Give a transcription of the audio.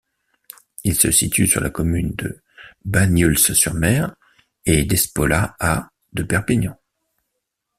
Il se situe sur la commune de Banyuls-sur-Mer et d'Espolla à de Perpignan.